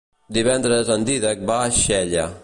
Divendres en Dídac va a Xella.